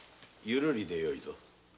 ゆるりでよいぞ。